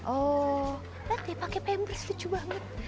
oh nanti pakai pembers lucu banget